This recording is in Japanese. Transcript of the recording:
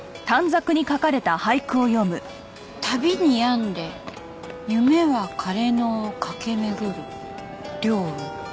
「旅に病んで夢は枯野をかけめぐる」「凌雲」